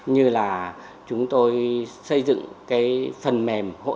như là chúng tôi xây dựng cái phần mềm hỗ trợ